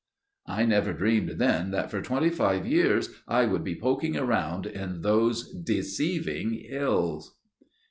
I never dreamed then that for twenty five years I would be poking around in those deceiving hills.